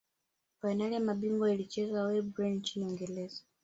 fainali ya mabingwa ilichezwa wembley nchini uingereza